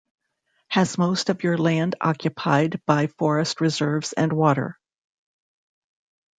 Has most of your land occupied by forest reserves and water.